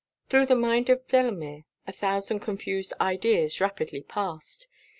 Thro' the mind of Delamere, a thousand confused ideas rapidly passed.